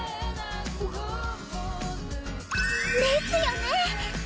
ですよね！